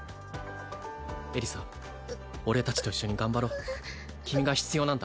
エリサ俺達と一緒に頑張ろう君が必要なんだ